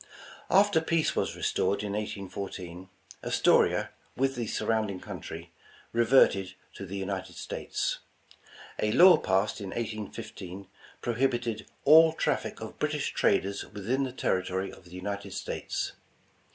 After peace was restored in 1814, Astoria, with the surrounding country, reverted to the United States. A law passed in 1815 prohibited ''all traffic of British traders within the territory of the United States."